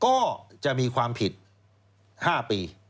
ก็จะมีความผิด๕ปี